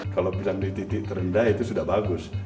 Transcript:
kalau bilang di titik terendah itu sudah bagus